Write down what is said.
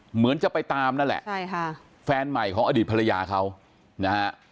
เหมือนจะไปตามนั่นแหละใช่ค่ะแฟนใหม่ของอดีตภรรยาเขานะฮะ